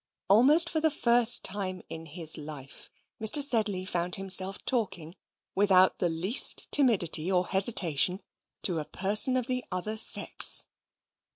Almost for the first time in his life, Mr. Sedley found himself talking, without the least timidity or hesitation, to a person of the other sex.